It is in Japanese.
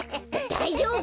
だだいじょうぶ！